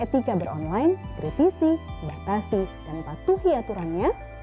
dan etika beronline kritisi batasi dan patuhi aturannya